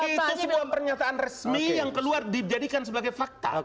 itu sebuah pernyataan resmi yang keluar dijadikan sebagai fakta